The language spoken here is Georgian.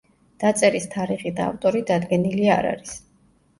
დაწერის თარიღი და ავტორი დადგენილი არ არის.